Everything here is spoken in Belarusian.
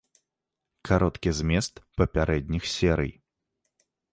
Кароткі змест папярэдніх серый.